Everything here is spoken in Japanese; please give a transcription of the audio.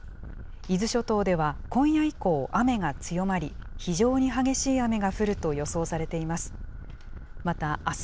伊豆諸島では今夜以降、雨が強まり、非常に激しい雨が降ると予想されています。